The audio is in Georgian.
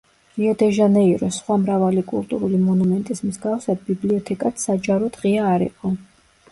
რიო-დე-ჟანეიროს სხვა მრავალი კულტურული მონუმენტის მსგავსად, ბიბლიოთეკაც საჯაროდ ღია არ იყო.